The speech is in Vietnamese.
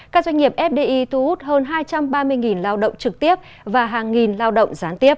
các doanh nghiệp fdi thu hút hơn hai trăm ba mươi lao động trực tiếp và hàng nghìn lao động gián tiếp